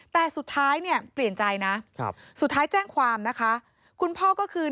แต่สุดท้ายเปลี่ยนใจนะสุดท้ายแจ้งความของคุณพ่อคือ